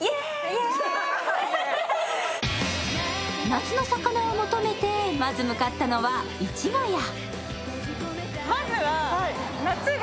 夏の魚を求めてまず向かったのは市ケ谷。